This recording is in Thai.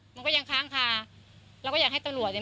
มันก็ยังค้างคาเราก็อยากให้ตำรวจเนี่ย